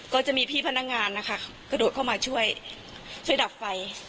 ก็จะมีพี่พนักงานนะคะกระโดดเข้ามาช่วยช่วยดับไฟ